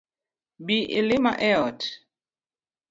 Bi ilima e ot